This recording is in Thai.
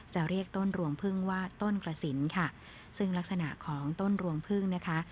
จะเรียกต้นรวงพึ่งว่าต้นกระสินค่ะซึ่งลักษณะของต้นรวงพึ่งนะคะ